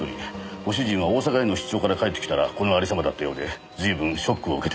ご主人は大阪への出張から帰ってきたらこのありさまだったようで随分ショックを受けているようです。